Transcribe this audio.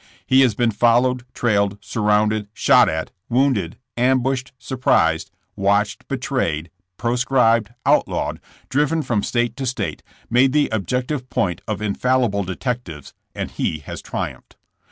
He has been followed, trailed, surrounded, shot at, wounded, ambushed, surprised, watched, betrayed, proscribed, outlawed, driven from state to state, made the objective point of infallible detectives, and he has triumphed.